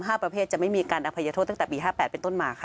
ประเภทจะไม่มีการอภัยโทษตั้งแต่ปี๕๘เป็นต้นมาค่ะ